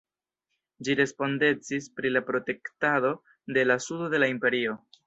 Ĝi respondecis pri la protektado de la sudo de la Imperio.